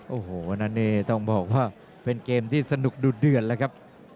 โอ้โหวันนั้นนี่ต้องบอกว่าเป็นเกมที่สนุกดูดเดือดแล้วครับ